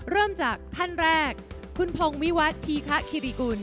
เริ่มจากท่านแรกคุณพงวิวัฒน์ธีคะคิริกุล